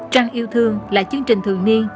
trang yêu thương là chương trình thường niên